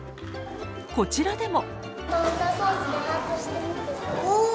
こちらでも。